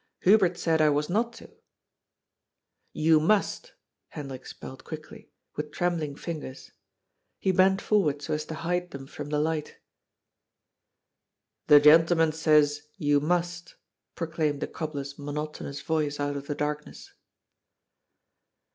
Hubert said I was not to." "You must," Hendrik spelt quickly, with trembling fingers. He bent forward so as to hide them from the light. "The gentleman says *you must,'" proclaimed the cobbler's monotonous voice out of the darkness.